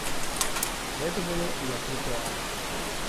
Гэта было як рытуал.